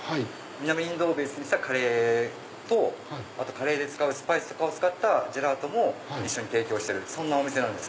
南インドをベースにしたカレーとカレーで使うスパイスを使ったジェラートも提供してるお店です。